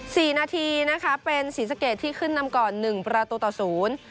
สี่นาทีนะคะเป็นศรีสะเกดที่ขึ้นนำก่อนหนึ่งประตูต่อศูนย์